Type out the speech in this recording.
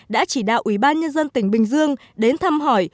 đã chỉ đạo ủy ban nhân dân tỉnh bình dương đến thăm hỏi